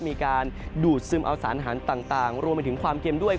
มีการดูดซึมเอาสารอาหารต่างรวมไปถึงความเค็มด้วย